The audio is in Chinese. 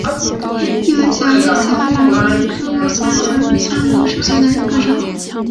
疣尾小绿虾蛄为虾蛄科小绿虾蛄属下的一个种。